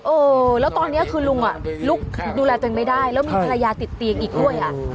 เออแล้วตอนนี้คือลุงลุกดูแลตัวเองไม่ได้แล้วมีภรรยาติดเตียงอีกด้วยอ่ะ